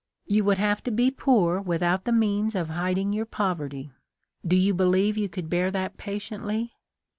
You would have to be poor without the means of hiding your poverty. Do you believe you could bear that patiently